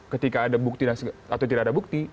ketika ada bukti atau tidak ada bukti